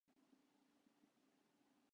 ① 市場環境の悪化